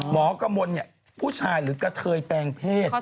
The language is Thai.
หมอกมนตร์นี่ผู้ชายหรือกะเทยแปลงเพศ